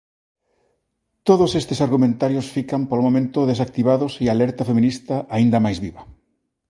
Todos estes argumentarios fican, polo momento, desactivados e a alerta feminista, aínda máis viva.